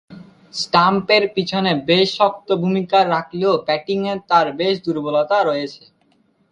স্ট্যাম্পের পিছনে বেশ শক্ত ভূমিকা রাখলেও ব্যাটিংয়ে তার বেশ দূর্বলতা রয়েছে।